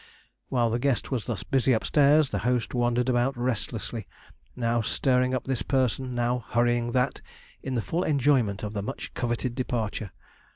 While the guest was thus busy upstairs, the host wandered about restlessly, now stirring up this person, now hurrying that, in the full enjoyment of the much coveted departure.